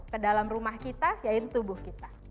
kedalam rumah kita yaitu tubuh kita